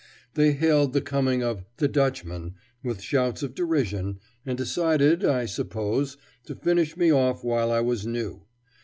They hailed the coming of "the Dutchman" with shouts of derision, and decided, I suppose, to finish me off while I was new.